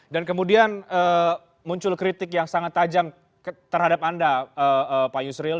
dan kemudian muncul kritik yang sangat tajam terhadap anda pak yusril